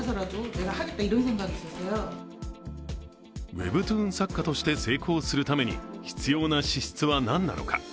ウェブトゥーン作家として成功するために必要な資質は何なのか。